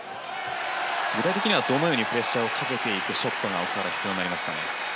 具体的にはどのようにプレッシャーをかけていくショットが必要になりますか？